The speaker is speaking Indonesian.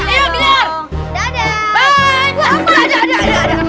aduh aduh aduh